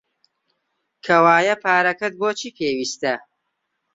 کەوایە پارەکەت بۆ چی پێویستە؟